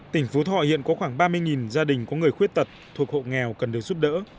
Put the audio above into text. tỉnh phú thọ hiện có khoảng ba mươi gia đình có người khuyết tật thuộc hộ nghèo cần được giúp đỡ